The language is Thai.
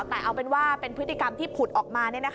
แต่เอาเป็นว่าเป็นพฤติกรรมที่ผุดออกมา